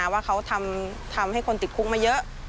ว่าเขาทำให้คนติดคุกมาเยอะ